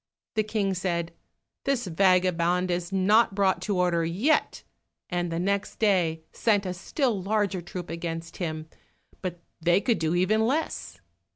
The King said, "This vagabond is not brought to order yet," and next day sent a still larger troop against him, but they could do even less.